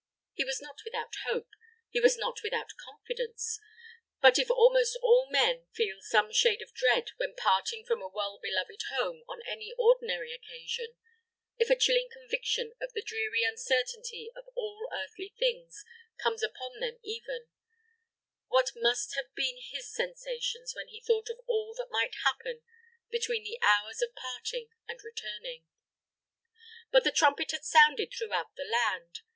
He was not without hope, he was not without confidence; but if almost all men feel some shade of dread when parting from a well loved home on any ordinary occasion if a chilling conviction of the dreary uncertainty of all earthly things comes upon them even what must have been his sensations when he thought of all that might happen between the hours of parting and returning? But the trumpet had sounded throughout the land.